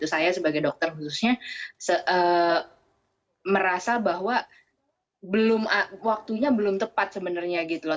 saya sebagai dokter khususnya merasa bahwa waktunya belum tepat sebenarnya gitu loh